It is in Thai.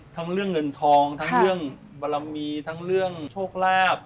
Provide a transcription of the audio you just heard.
ทั้งเรื่องเงินทองทั้งเรื่องบารมีทั้งเรื่องโชคลาภ